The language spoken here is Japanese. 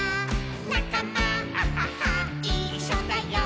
「なかま『あっはっは』いっしょだよ」